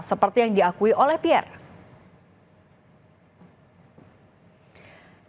seperti yang diakui oleh pierre